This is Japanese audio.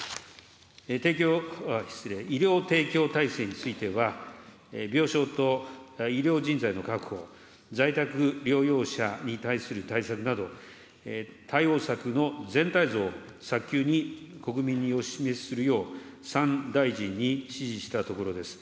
提供、失礼、医療提供体制については、病床と医療人材の確保、在宅療養者に対する対策など、対応策の全体像を早急に国民にお示しするよう、３大臣に指示したところです。